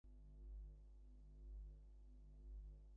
All lie within the former Apache National Forest section.